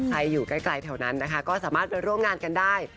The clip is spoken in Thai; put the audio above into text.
ใครอยู่ใกล้แถวนั้นนะคะก็สามารถไปร่วมงานกันได้